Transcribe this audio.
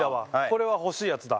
これは欲しいやつだ。